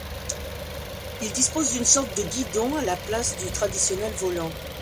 Il dispose d'une sorte de guidon à la place du traditionnel volant.